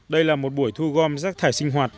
đây là một buổi thu gom rác thải sinh hoạt